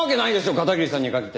片桐さんに限って。